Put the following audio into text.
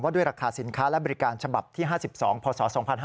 ด้วยราคาสินค้าและบริการฉบับที่๕๒พศ๒๕๕๙